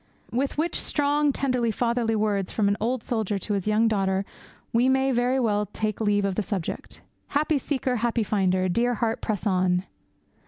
With which strong, tender, fatherly words from an old soldier to his young daughter we may very well take leave of the subject. 'Happy seeker; happy finder! Dear heart, press on!'